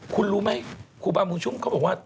คุณรู้ไหมครูบาบุญชุ่มเขาบอกว่า